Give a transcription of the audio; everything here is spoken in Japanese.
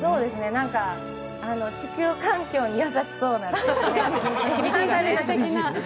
何か地球環境に優しそうな。